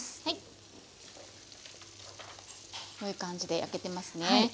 よい感じで焼けてますね。